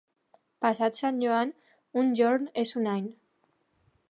Passat Sant Joan, un jorn és un any.